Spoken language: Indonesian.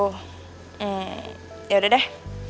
ehm yaudah deh